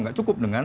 gak cukup dengan